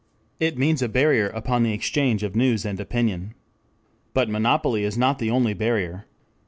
It means a barrier upon the exchange of news and opinion. But monopoly is not the only barrier.